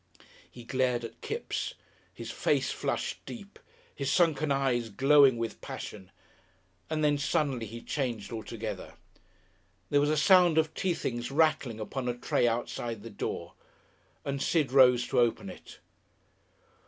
He glared at Kipps, his face flushed deep, his sunken eyes glowing with passion, and then suddenly he changed altogether. There was a sound of tea things rattling upon a tray outside the door, and Sid rose to open it.